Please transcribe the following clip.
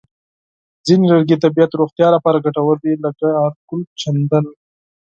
ځینې لرګي د طبیعي روغتیا لپاره ګټور دي، لکه عرقالچندڼ.